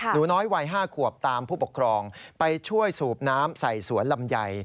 หนูน้อยวัย๕ขวบตามผู้ปกครองไปช่วยสูบน้ำใส่สวนลำไย